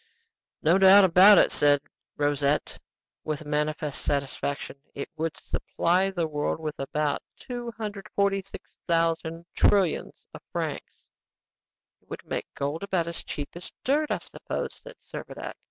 "No doubt about it!" said Rosette, with manifest satisfaction. "It would supply the world with about 246,000 trillions of francs." "It would make gold about as cheap as dirt, I suppose," said Servadac.